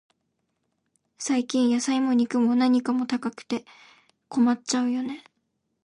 最近、野菜も肉も、何かも高くて困っちゃうよね。